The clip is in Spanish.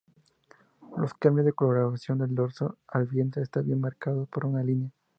Los cambios de coloración del dorso al vientre están bien marcados por una línea.